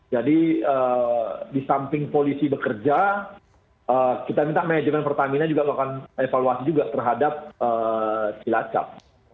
jadi di samping polisi bekerja kita minta manajemen pertamina juga akan evaluasi juga terhadap silacap